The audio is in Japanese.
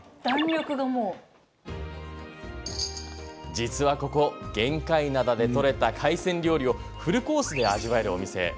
実はここ、玄界灘で取れた海鮮料理をフルコースで味わえるお店。